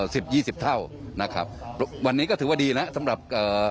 สิบยี่สิบเท่านะครับวันนี้ก็ถือว่าดีนะสำหรับเอ่อ